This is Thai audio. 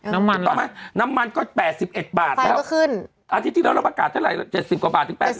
น้ำมันก็๘๑บาทอาทิตย์ที่แล้วเราประกาศเท่าไหร่๗๐กว่าบาท